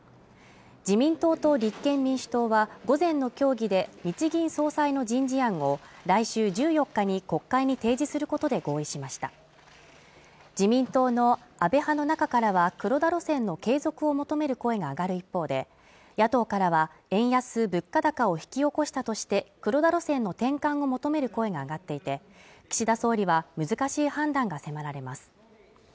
自民党と立憲民主党は午前の協議で日銀総裁の人事案を来週１４日に国会に提示することで合意しました自民党の安倍派の中からは黒田路線の継続を求める声が上がる一方で野党からは円安物価高を引き起こしたとして黒田路線の転換を求める声が上がっていて岸田総理は難しい判断が迫られます